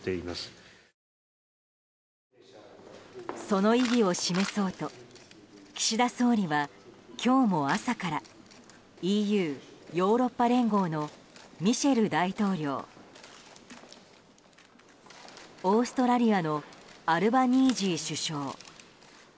その意義を示そうと岸田総理は今日も朝からＥＵ・ヨーロッパ連合のミシェル大統領オーストラリアのアルバニージー首相